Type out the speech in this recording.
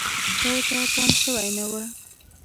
چا ورته پام شوی نه و.